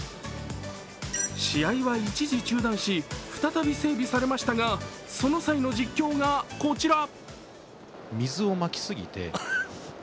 試合は一時中断し、再び整備されましたが、その際の実況がこちら。